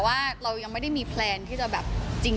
ออกงานอีเวนท์ครั้งแรกไปรับรางวัลเกี่ยวกับลูกทุ่ง